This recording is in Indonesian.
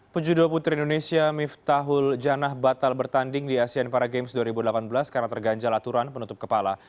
pejudo putri indonesia miftahul janah batal bertanding di asean para games dua ribu delapan belas karena terganjal aturan penutup kepala